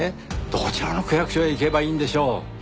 どちらの区役所へ行けばいいんでしょう？